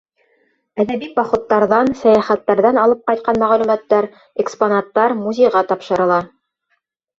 Әҙәби походтарҙан, сәйәхәттәрҙән алып ҡайтҡан мәғлүмәттәр, экспонаттар музейға тапшырыла.